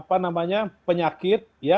ternyata ada penyakit